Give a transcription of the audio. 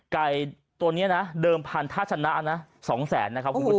ไก่ตัวนี้เดิมผ่านท่าชนะ๒๐๐๐๐๐บาท